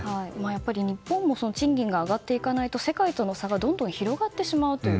やっぱり日本も賃金が上がっていかないと世界との差がどんどん広がってしまうという。